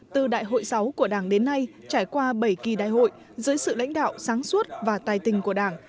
từ đại hội sáu của đảng đến nay trải qua bảy kỳ đại hội dưới sự lãnh đạo sáng suốt và tài tình của đảng